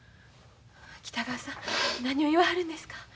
北川さん何を言わはるんですか。